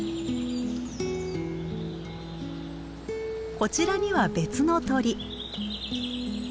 こちらには別の鳥。